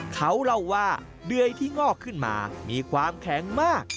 เขาเล่าว่าเดื่อยที่งอกขึ้นมามีความแข็งมาก